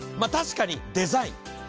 確かにデザイン。